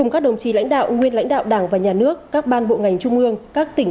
các đồng chí lãnh đạo nguyên lãnh đạo đảng và nhà nước các ban bộ ngành trung ương các tỉnh